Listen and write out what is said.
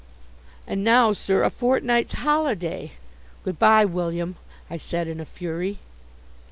"And, now, sir, a fortnight's holiday!" "Good by, William!" I said, in a fury.